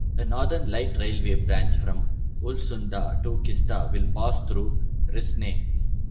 A northern light railway branch from Ulvsunda to Kista will pass through Rissne.